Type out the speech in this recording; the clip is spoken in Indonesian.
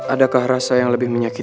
adakah rasa yang lebih menyakiti